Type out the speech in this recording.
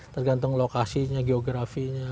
tergantung lokasinya geografinya